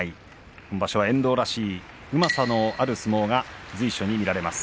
今場所は遠藤らしいうまさのある相撲が随所に見られます。